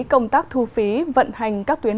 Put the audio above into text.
công tác thu phí vận hành các tuyến